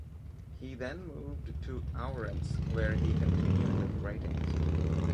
He then moved to Ourense where he continued his writings.